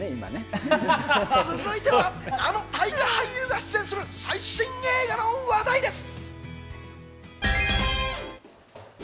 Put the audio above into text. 続いては、あの大河俳優が出演する最新映画の話題です。